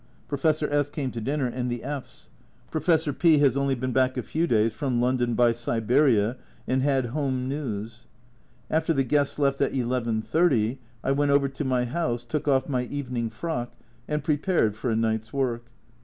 Professor S came to dinner, and the F s. Professor P has only been back a few days from London by Siberia, and had home news. After the guests left at 1 1 . 30 I went over to my house, took off my evening frock, and pre pared for a night's work.